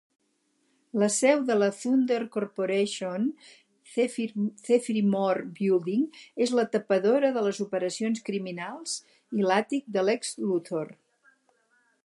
La seu de la Thunder Corporation, "Zephrymore Building", és la tapadora de les operacions criminals i l'àtic de Lex Luthor.